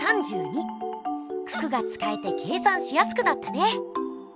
九九がつかえて計算しやすくなったね！